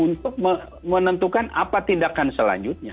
untuk menentukan apa tindakan selanjutnya